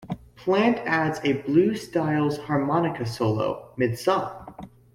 Plant adds a blues-style harmonica solo mid-song.